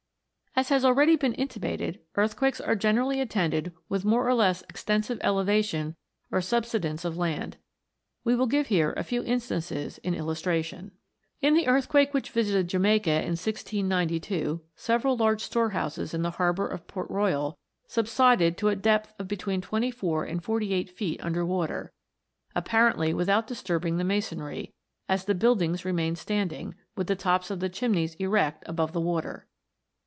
As has already been intimated, earthquakes are generally attended with more or less extensive ele vation or subsidence of land. We will give here a few instances in illustration. In the earthquake which visited Jamaica in 1692, 300 PLUTO'S KINGDOM. several large storehouses in the harbour of Port Royal subsided to a depth of between twenty four and forty eight feet under water, apparently without disturbing the masonry, as the buildings remained standing, with the tops of the chimneys erect above the water.